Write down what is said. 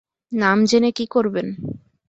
নাম জেনে কী করবেন?